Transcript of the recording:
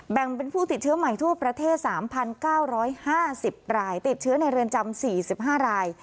แบ่งเป็นผู้ติดเชื้อใหม่ทั่วประเทศ๓๙๕๐รายติดเชื้อในเรือนจำ๔๕ราย